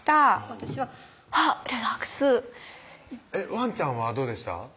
私はあっリラックスワンちゃんはどうでした？